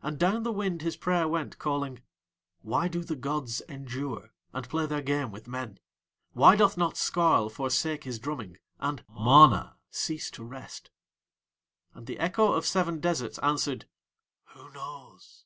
And down the wind his prayer went calling: "Why do the gods endure, and play their game with men? Why doth not Skarl forsake his drumming, and MANA cease to rest?" and the echo of seven deserts answered: "Who knows?